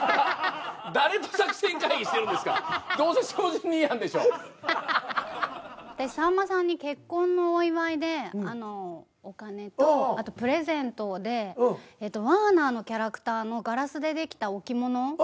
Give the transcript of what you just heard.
私さんまさんに結婚のお祝いでお金とあとプレゼントでワーナーのキャラクターのガラスで出来た置物。